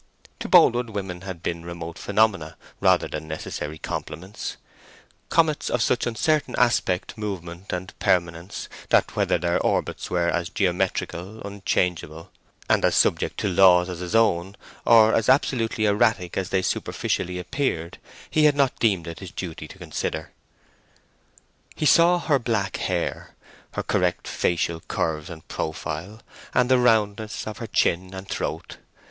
To Boldwood women had been remote phenomena rather than necessary complements—comets of such uncertain aspect, movement, and permanence, that whether their orbits were as geometrical, unchangeable, and as subject to laws as his own, or as absolutely erratic as they superficially appeared, he had not deemed it his duty to consider. He saw her black hair, her correct facial curves and profile, and the roundness of her chin and throat.